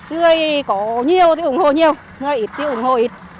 người có nhiều thì ủng hộ nhiều người ít thì ủng hộ ít